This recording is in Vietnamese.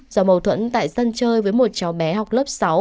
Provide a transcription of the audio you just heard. do mâu thuẫn tại sân chơi với một cháu bé học lớp sáu